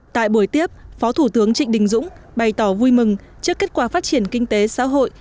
tại buổi tiếp phó thủ tướng trịnh đình dũng bày tỏ vui mừng trước kết quả phát triển kinh tế xã hội